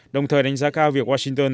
đồng thời đánh giá cao việc washington